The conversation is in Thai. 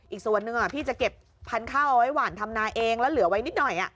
อีกส่วนหนึ่งพี่จะเก็บพันธุ์ข้าวเอาไว้หวานทำนาเองแล้วเหลือไว้นิดหน่อย